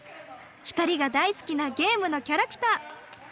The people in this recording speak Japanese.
２人が大好きなゲームのキャラクター。